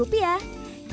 yuk ke bandung